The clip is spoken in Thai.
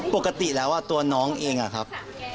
ปกติแล้วตัวน้องเองอะครับ